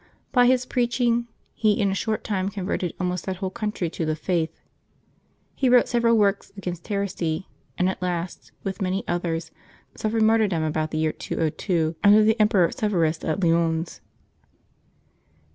By his preaching, he in a short time converted almost that whole country to the Faith. He wrote several works against heresy, and at last, with many others, suffered martyrdom about the year 202, under the Emperor Severus, at Lyons.